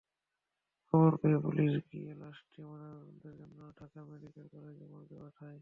খবর পেয়ে পুলিশ গিয়ে লাশটি ময়নাতদন্তের জন্য ঢাকা মেডিকেল কলেজ মর্গে পাঠায়।